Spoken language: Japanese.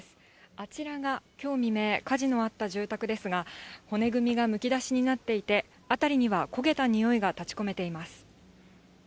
あちらがきょう未明、火事のあった住宅ですが、骨組みがむき出しになっていて、辺りには焦げた臭いが立ち込めています。